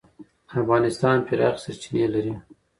افغانستان پراخې سرچینې لري.